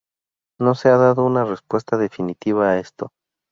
No se ha dado una respuesta definitiva a esto.